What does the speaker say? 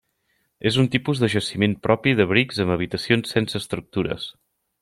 És un tipus de jaciment propi d'abrics amb habitacions sense estructures.